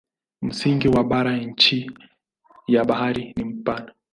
Msingi wa bara chini ya bahari ni mpana.